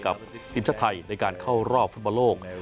กับทีมชาวไทยในการเข้ารอบฟังประโลก